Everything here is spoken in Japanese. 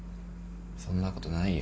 そんなことないよ。